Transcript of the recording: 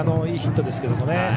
いいヒットですけれどもね。